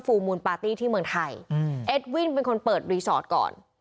มูลปาร์ตี้ที่เมืองไทยอืมเอ็ดวินเป็นคนเปิดรีสอร์ทก่อน